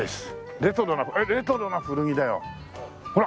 「レトロなふるぎ」だよ。ほら。